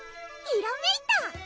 ひらめいた！